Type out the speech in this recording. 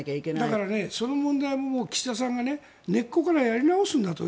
だからその問題も岸田さんが根っこからやり直すんだと。